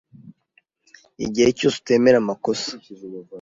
igihe cyose utemera amakosa